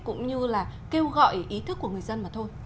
cũng như là kêu gọi ý thức của người dân mà thôi